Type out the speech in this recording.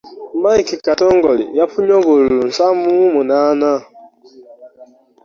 Mike Katongole yafunye obululu nsanvu mu munaana